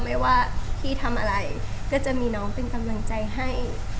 ไม่ว่าพี่ทำอะไรก็จะมีน้องเป็นกำลังใจให้